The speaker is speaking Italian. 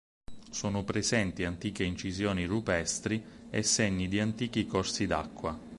Sono presenti antiche incisioni rupestri e segni di antichi corsi d'acqua.